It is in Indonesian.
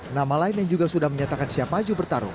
nama lain yang juga sudah menyatakan siap maju bertarung